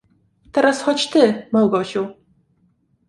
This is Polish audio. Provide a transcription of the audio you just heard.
"Teraz chodź ty, Małgosiu."